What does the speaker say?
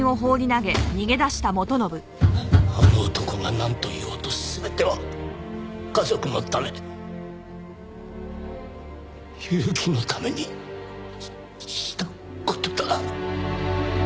あの男がなんと言おうと全ては家族のため祐希のためにした事だ。